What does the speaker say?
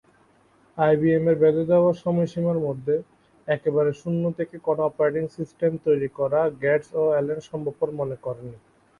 আইবিএম-এর বেঁধে দেয়া সময়সীমার মধ্যে একেবারে শূন্য থেকে কোন অপারেটিং সিস্টেম তৈরি করা গেটস ও অ্যালেন সম্ভবপর বলে মনে করেননি।